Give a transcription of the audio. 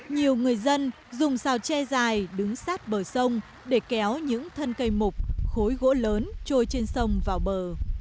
nhiều người dân dùng xào tre dài đứng sát bờ sông để kéo những thân cây mục khối gỗ lớn trôi trên sông vào bờ